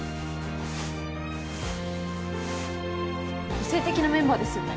個性的なメンバーですよね。